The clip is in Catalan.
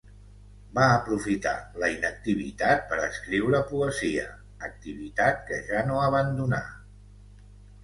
Va aprofitar la inactivitat per escriure poesia, activitat que ja no abandonà.